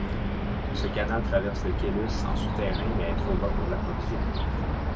Ce canal traverse le Cælius en souterrain mais est trop bas pour l'approvisionner.